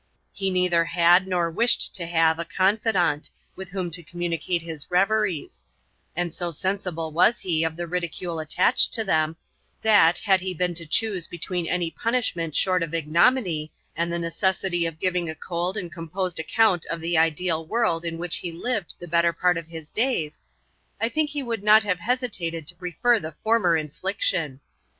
He neither had nor wished to have a confidant, with whom to communicate his reveries; and so sensible was he of the ridicule attached to them, that, had he been to choose between any punishment short of ignominy, and the necessity of giving a cold and composed account of the ideal world in which he lived the better part of his days, I think he would not have hesitated to prefer the former infliction.